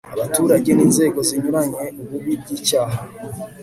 abaturage n'inzego zinyuranye ububi bw'icyaha